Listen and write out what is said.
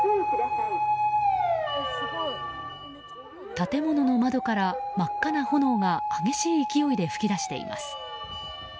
建物の窓から真っ赤な炎が激しい勢いで噴き出しています。